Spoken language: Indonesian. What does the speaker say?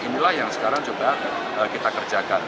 inilah yang sekarang coba kita kerjakan